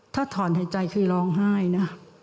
ถ้าถอนหายใจคือร้องไห้นะ